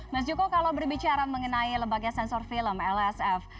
mas joko kalau berbicara mengenai lembaga sensor film lsf